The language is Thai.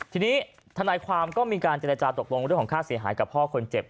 ทีนี้ทนายความก็มีการเจรจาตกลงเรื่องของค่าเสียหายกับพ่อคนเจ็บ